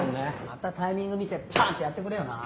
またタイミング見て「パン！」ってやってくれよな。